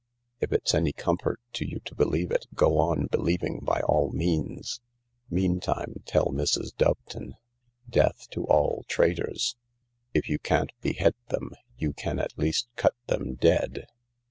" If it's any comfort to you to believe it, go on believing by all means. Meantime tell Mrs. Doveton. Death to all traitors. If you can't behead them you can at least cut them dead."